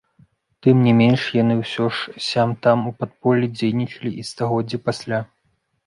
Тым не менш яны ўсё ж сям-там у падполлі дзейнічалі і стагоддзі пасля.